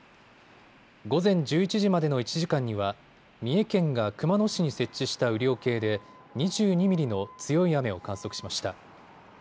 午前１１時までの１時間には三重県が熊野市に設置した雨量計で２２ミリの強い雨を観測しました。